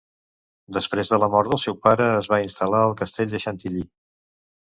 Després de la mort del seu pare, es va instal·lar al castell de Chantilly.